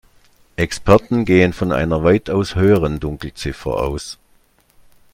Experten gehen von einer weitaus höheren Dunkelziffer aus.